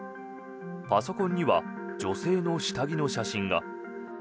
パソコンには女性の下着の写真が。